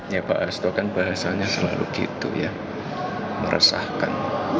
ya pak hasto kan bahasanya selalu gitu ya meresahkan